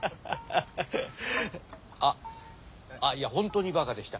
あっあいやほんとにバカでした。